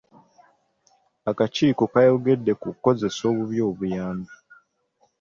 Akakiiko kaayogedde ku kukozesa obubi obuyambi.